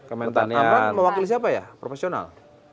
aman mewakili siapa ya profesional